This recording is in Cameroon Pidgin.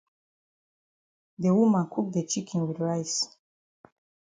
De woman cook de chicken wit rice.